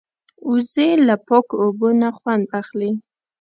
وزې له پاکو اوبو نه خوند اخلي